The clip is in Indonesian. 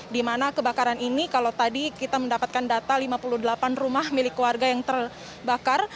di mana kebakaran ini kalau tadi kita mendapatkan data lima puluh delapan rumah milik warga yang terbakar